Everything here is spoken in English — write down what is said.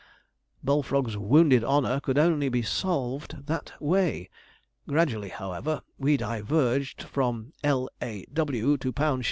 Bullfrog's wounded honour could only be salved that way. Gradually, however, we diverged from l a w to £ s.